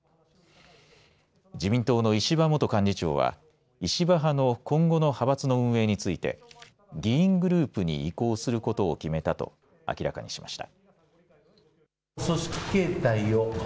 自民党の石破元幹事長は石破派の今後の派閥の運営について議員グループに移行することを決めたと明らかにしました。